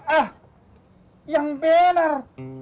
ah yang benar